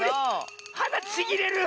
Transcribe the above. はだちぎれる！